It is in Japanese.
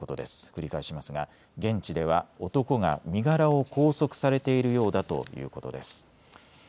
繰り返しますが現地では男が身柄を拘束されているようだということです。